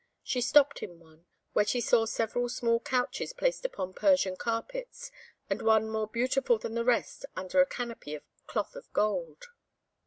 She stopped in one, where she saw several small couches placed upon Persian carpets, and one more beautiful than the rest under a canopy of cloth of gold.